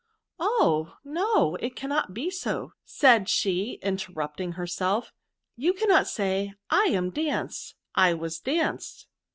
Oh ! no^i it cannot be so,'* said she, interrupting herself; ''you cannot say lam danced, Iwas danced.